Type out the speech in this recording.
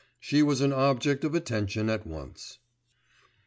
She was an object of attention at once.